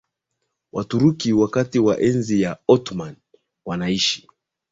Waturuki wakati wa enzi ya Ottoman Wanaishi